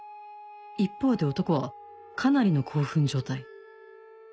一方で男はかなりの興奮状態